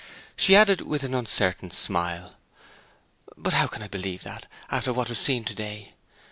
She added with an uncertain smile, 'But how can I believe that, after what was seen to day?